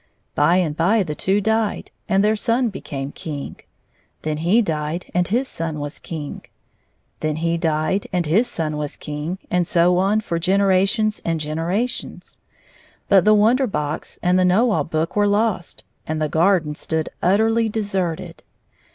By and by the two died, and their son became king. Then he died and his son was king. Then he died and his son was king, and so on for gen erations and generations. But the Wonder Box and the Kjiow A11 Book were lost. And the garden stood utterly deserted.